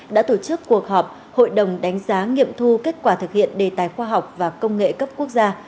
đã tổ chức cuộc họp hội đồng đánh giá nghiệm thu kết quả thực hiện đề tài khoa học và công nghệ cấp quốc gia